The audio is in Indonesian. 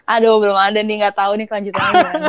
aduh belum ada nih gak tahu nih selanjutnya